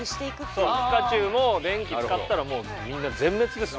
そうピカチュウも電気使ったらもうみんな全滅です。